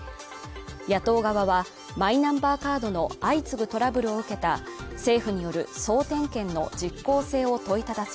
野党側はマイナンバーカードの相次ぐトラブルを受けた政府による総点検の実効性を問いただす